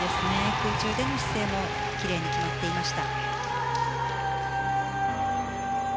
空中での姿勢も奇麗に決まっていました。